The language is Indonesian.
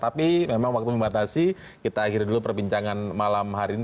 tapi memang waktu membatasi kita akhiri dulu perbincangan malam hari ini